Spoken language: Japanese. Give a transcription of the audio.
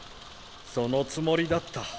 そのつもりだった。